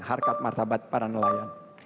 harkat martabat para nelayan